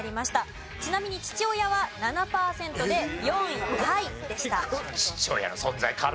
ちなみに父親は７パーセントで４位タイでした。